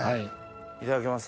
いただきます。